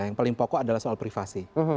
yang paling pokok adalah soal privasi